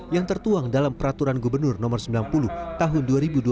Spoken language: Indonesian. yang tertuang dalam peraturan gubernur no sembilan puluh tahun dua ribu dua puluh